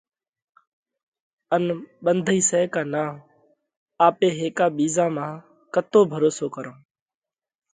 ان ٻنڌئِي سئہ ڪا نا؟ آپي هيڪا ٻِيزا مانه ڪتو ڀروسو ڪرونه؟